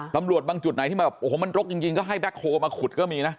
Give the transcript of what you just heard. ตำรวจบางจุดไหนที่มันโรคจริงก็ให้แบคโครมาขุดก็มีนะ